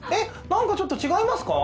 何かちょっと違いますか？